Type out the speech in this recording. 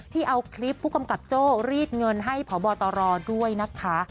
เอาคลิปผู้กำกับโจ้รีดเงินให้พบตรด้วยนะคะ